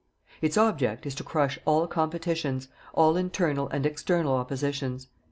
Its object is to crush all competitions, all internal and external oppositions.